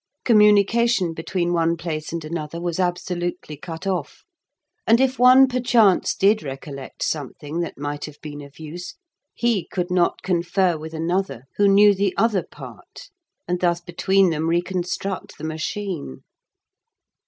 Communication between one place and another was absolutely cut off, and if one perchance did recollect something that might have been of use, he could not confer with another who knew the other part, and thus between them reconstruct the machine.